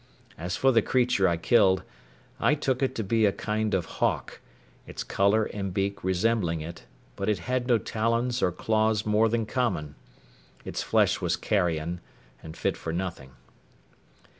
As for the creature I killed, I took it to be a kind of hawk, its colour and beak resembling it, but it had no talons or claws more than common. Its flesh was carrion, and fit for nothing.